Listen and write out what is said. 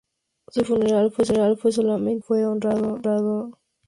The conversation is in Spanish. Su funeral fue solemne y fue honrado por el cuerpo de bomberos.